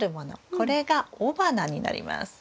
これが雄花になります。